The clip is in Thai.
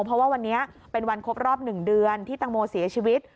เพราะว่าวันนี้เป็นวันครบรอบ๑เดือนที่ตังโมเสียชีวิต